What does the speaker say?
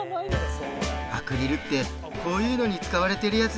アクリルってこういうのに使われてるやつですよね。